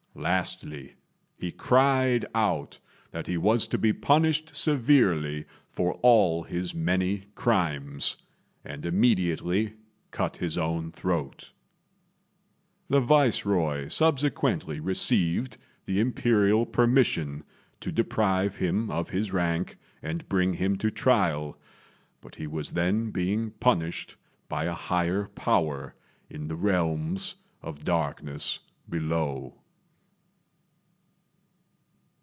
Lastly, he cried out that he was to be punished severely for all his many crimes; and immediately cut his own throat. The Viceroy subsequently received the Imperial permission to deprive him of his rank and bring him to trial; but he was then being punished by a higher power in the realms of darkness below.